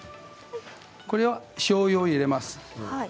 これは、しょうゆを入れます。